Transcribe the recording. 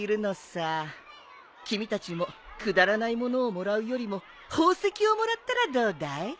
君たちもくだらない物をもらうよりも宝石をもらったらどうだい？